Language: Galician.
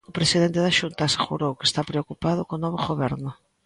O presidente da Xunta asegurou que está preocupado co novo Goberno.